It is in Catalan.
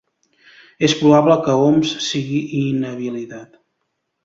És probable que Homs sigui inhabilitat